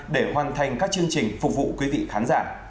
để hoàn thành các chương trình phục vụ quý vị khán giả